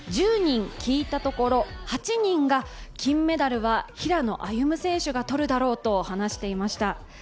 １０人に聞いたところ、８人が金メダルは平野歩夢選手が取るだろうと話していました。